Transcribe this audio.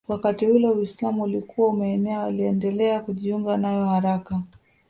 Wakati ule Uislamu ulikuwa umeenea waliendelea kujiunga nayo haraka